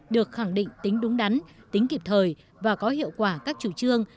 được khẳng định tính đúng đắn tính kịp thời và có hiệu quả các chủ trương